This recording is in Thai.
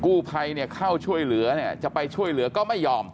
กู้ภัยเข้าช่วยเหลือจะไปช่วยเหลือก็ไม่ยอม